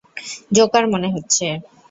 Joker মনে হচ্ছে।